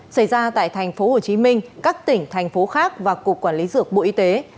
xảy ra tại tp hcm các tỉnh thành phố khác và cục quản lý dược bộ y tế